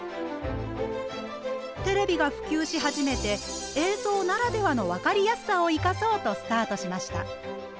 テレビが普及し始めて映像ならではの分かりやすさをいかそうとスタートしました。